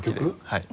はい。